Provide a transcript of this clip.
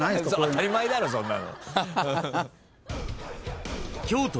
当たり前だろそんなの。